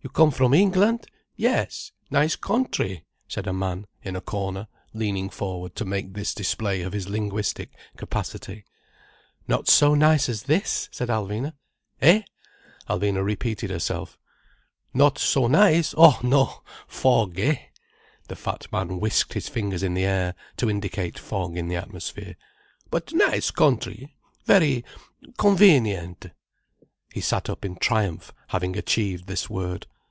"You come from England? Yes! Nice contry!" said a man in a corner, leaning forward to make this display of his linguistic capacity. "Not so nice as this," said Alvina. "Eh?" Alvina repeated herself. "Not so nice? Oh? No! Fog, eh!" The fat man whisked his fingers in the air, to indicate fog in the atmosphere. "But nice contry! Very—convenient." He sat up in triumph, having achieved this word.